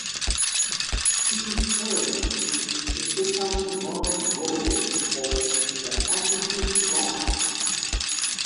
He served in the Second World War on the Pacific front.